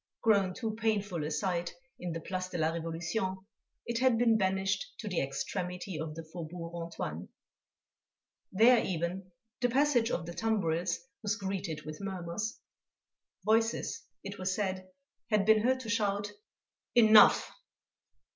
Grown too painful a sight in the Place de la Révolution, it had been banished to the extremity of the Faubourg Antoine. There even, the passage of the tumbrils was greeted with murmurs. Voices, it was said, had been heard to shout: "Enough!"